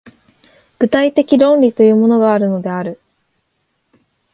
具体的論理というものがあるのである。